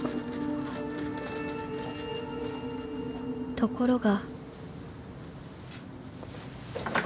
［ところが］